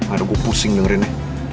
harus gue pusing dengerinnya